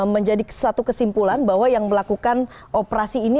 menjadi suatu kesimpulan bahwa yang melakukan operasi ini